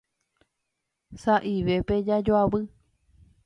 Sa'ivépe jajoavy.